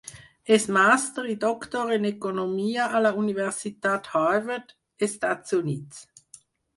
És Màster i Doctor en Economia a la Universitat Harvard, Estats Units.